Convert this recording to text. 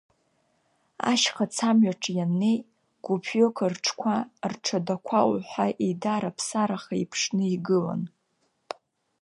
Ашьхацамҩаҿы ианнеи, гәыԥҩык рҽқәа, рҽадақәа уҳәа еидараԥсараха иԥшны игылан.